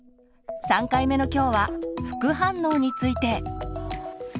３回目の今日は「副反応について」。